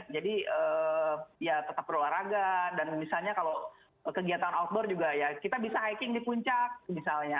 jadi ya tetap berolahraga dan misalnya kalau kegiatan outdoor juga ya kita bisa hiking di puncak misalnya